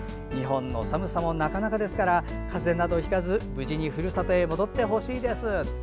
日本の寒さもなかなかですからかぜなどひかず無事にふるさとへ戻ってほしいです。